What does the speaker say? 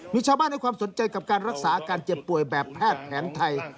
มีชาวบ้านให้ความสนใจกับการรักษาอาการเจ็บป่วยแบบแพทย์แผนไทย